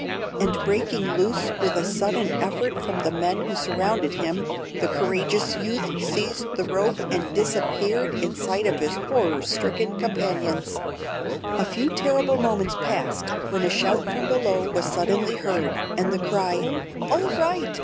and breaking loose with a sudden effort from the men who surrounded him, the courageous youth seized the rope and disappeared in sight of his horror stricken companions. A few terrible moments passed, when a shout from below was suddenly heard, and the cry, "All right!